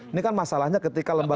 ini kan masalahnya ketika lembaga